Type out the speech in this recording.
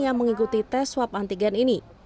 yang mengikuti tes swab antigen ini